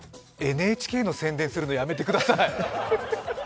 ＮＨＫの宣伝するのやめてください。